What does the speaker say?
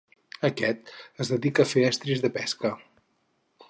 Aquest es dedica a fer estris de pesca.